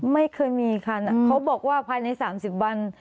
ไม่เคยมีค่ะเขาบอกว่าภายใน๓๐วัน